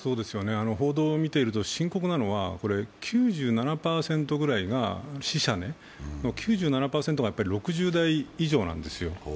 報道を見ていると、深刻なのは死者の９７％が６０代以上なんですよ。